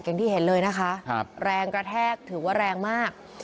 อย่างที่เห็นเลยนะคะแรงกระแทกถือว่าแรงมาก